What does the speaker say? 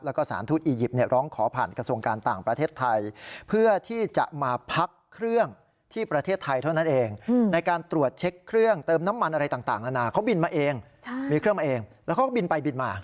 แล้วก็สารทูตอียิปต์ร้องขอผ่านกระทรวงการต่างประเทศเพื่อที่จะมาพักเครื่องที่ประเทศไทยเท่านั้นเองในการตรวจเช็คเครื่องเติมน้ำมันอะไรต่างนานาเขาบินมาเองมีเครื่องมาเองแล้วเขาก็บินไปบินมา